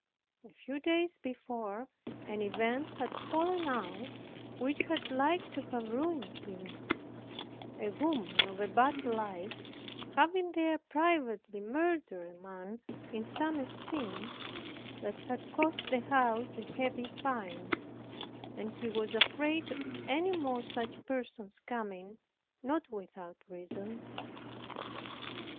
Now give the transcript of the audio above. A few days before, an event had fallen out, which had like to have ruined him; a woman of a bad life having there privately murdered a man in some esteem, that had cost the house a heavy fine; and he was afraid of any more such persons coming, not without reason.